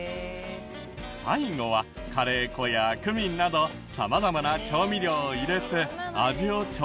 最後はカレー粉やクミンなど様々な調味料を入れて味を調整するこだわりよう。